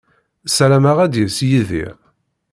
Ssarameɣ ad d-yas Yidir.